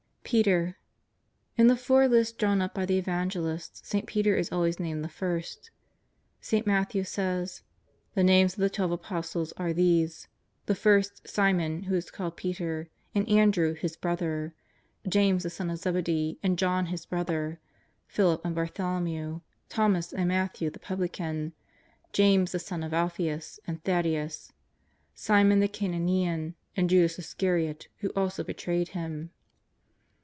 Peter. In the four lists drawn up by the Evange lists, St. Peter is always named the first. St. Matthew says :" The names of the twelve Apostles are these — the first Simon, who is called Peter, and Andrew his brother; James, the son of Zebedee, and John his brother; Philip and Bartholomew; Thomas and Mat thew the publican; James, the son of Alpheus and Thaddeus ; Simon the Canaanean, and Judas Iscariot, who also betrayed Him."